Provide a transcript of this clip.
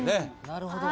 なるほど。